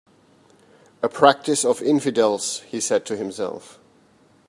"A practice of infidels," he said to himself.